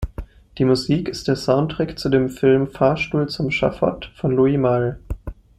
Die Musik ist der Soundtrack zu dem Film "Fahrstuhl zum Schafott" von Louis Malle.